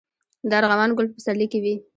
د ارغوان ګل په پسرلي کې وي